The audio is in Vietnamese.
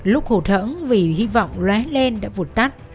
lúc hổ thẫn vì hy vọng lái len đã vụt tắt